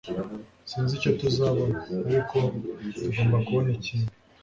Sinzi icyo tuzabona, ariko tugomba kubona ikintu.